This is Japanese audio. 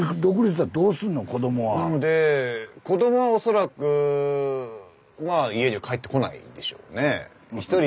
子どもは恐らくまあ家には帰ってこないでしょうね。